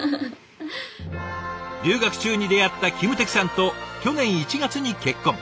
留学中に出会ったキム・テキさんと去年１月に結婚。